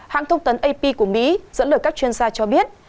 hãng thông tấn ap của mỹ dẫn lời các chuyên gia cho biết